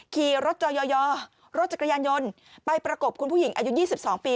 ขี่รถจอยอยอร์รถจักรยานยนต์ไปประกบคุณผู้หญิงอายุยี่สิบสองปี